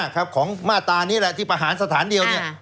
ของมาตรานี้แหละที่ประหารสถานเดียวเนี่ย